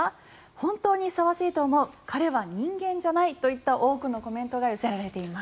本当にふさわしいと思う彼は人間じゃないといった多くのコメントが寄せられています。